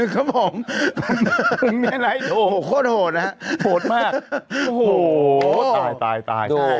ครับผมโหโหดนะฮะโหดมากโหตาย